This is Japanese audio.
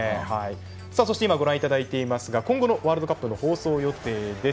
そして今ご覧いただいていますが今後のワールドカップの放送予定です。